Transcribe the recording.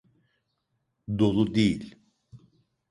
Dolu değil.